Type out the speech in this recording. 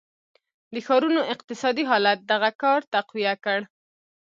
د ښارونو اقتصادي حالت دغه کار تقویه کړ.